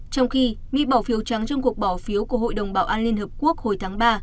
trong khi mỹ bỏ phiếu trắng trong cuộc bỏ phiếu của hội đồng bảo an liên hợp quốc hồi tháng ba